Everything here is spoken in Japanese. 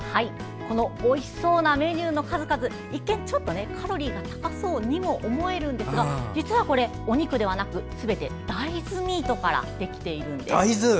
おいしそうなメニューの数々一見、ちょっとカロリーが高そうにも思えるんですが実はこれ、お肉ではなくてすべて大豆ミートからできているんです。